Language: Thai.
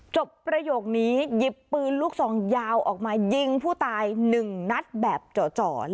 จบประโยคนี้หยิบปืนลูกสองยาวออกมายิงผู้ตายหนึ่งนัดแบบเจาะเจาะ